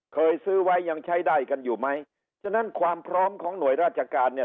เคยซื้อไว้ยังใช้ได้กันอยู่ไหมฉะนั้นความพร้อมของหน่วยราชการเนี่ย